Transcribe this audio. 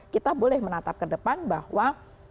kita boleh menatap ke depan bahwa